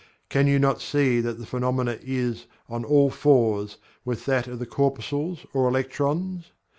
Can you not see that the phenomena is "on all fours" with that of the corpuscles or electrons?